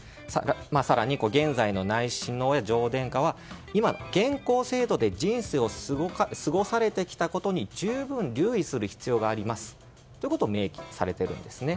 更に、現在の内親王や女王殿下は現行制度で人生を過ごされてきたことに十分留意する必要がありますということを明記されているんです。